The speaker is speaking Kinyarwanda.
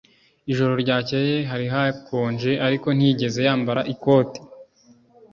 Ijoro ryakeye hari hakonje ariko ntiyigeze yambara ikote